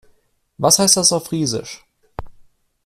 Was heißt das auf Friesisch?